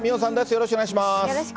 よろしくお願いします。